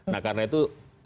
nah karena itu